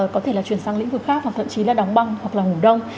có thể là chuyển sang lĩnh vực khác và thậm chí là đóng băng hoặc là ngủ đông